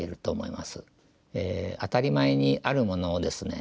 当たり前にあるものをですね